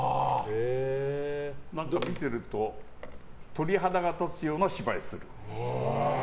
見てると鳥肌が立つような芝居する。